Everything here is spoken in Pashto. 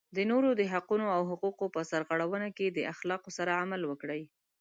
د نورو د حقونو او حقوقو په سرغړونه کې د اخلاقو سره عمل وکړئ.